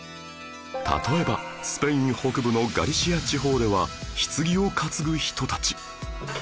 例えばスペイン北部のガリシア地方では棺を担ぐ人たち